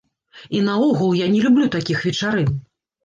І наогул, я не люблю такіх вечарын.